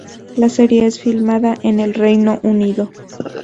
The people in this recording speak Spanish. La serie es filmada en el Reino Unido.